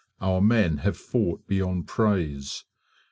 Our men have fought beyond praise.